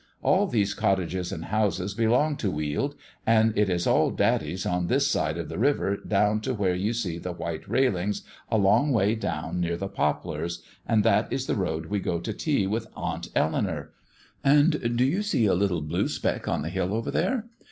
"All these cottages and houses belong to Weald, and it is all daddy's on this side of the river down to where you see the white railings a long way down near the poplars, and that is the road we go to tea with Aunt Eleanour; and do you see a little blue speck on the hill over there?